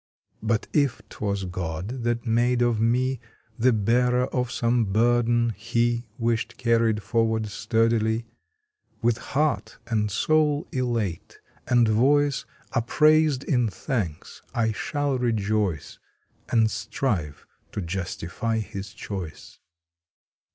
But if twas God that made of me The bearer of some burden He Wished carried forward sturdily, With heart and soul elate, and voice Upraised in thanks, I shall rejoice And strive to justify His choice!